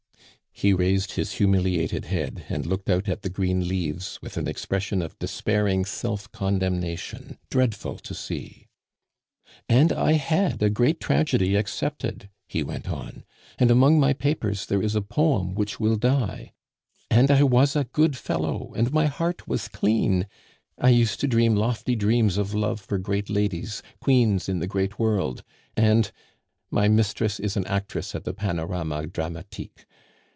He raised his humiliated head, and looked out at the green leaves, with an expression of despairing self condemnation dreadful to see. "And I had a great tragedy accepted!" he went on. "And among my papers there is a poem, which will die. And I was a good fellow, and my heart was clean! I used to dream lofty dreams of love for great ladies, queens in the great world; and my mistress is an actress at the Panorama Dramatique.